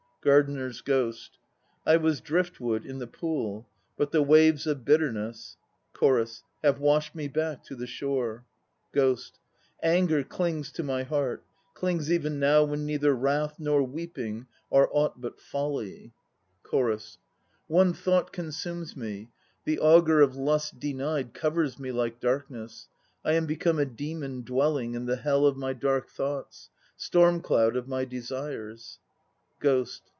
GARDENER'S GHOST. I was driftwood in the pool, but the waves of bitterness CHORUS. Have washed me back to the shore. GHOST. Anger clings to my heart, Clings even now when neither wrath nor weeping Are aught but folly. AYA NO TSUZUMI 139 CHORUS. One thought consumes me, The anger of lust denied Covers me like darkness. I am become a demon dwelling In the hell of my dark thoughts, Storm cloud of my desires. GHOST.